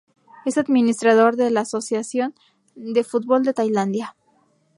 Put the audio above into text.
Es administrada por la Asociación de Fútbol de Tailandia.